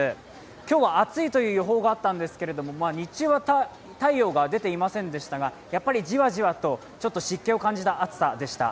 今日は暑いという予報があったんですけど日中は太陽が出ていませんでしたが、やっぱりじわじわと湿気を感じた暑さでした。